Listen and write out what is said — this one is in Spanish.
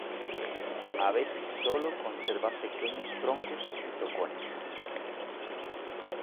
A veces solo conservan "pequeños troncos" y tocones.